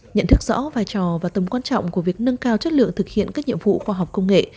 nhận thức rõ vai trò và tầm quan trọng của việc nâng cao chất lượng thực hiện các nhiệm vụ khoa học công nghệ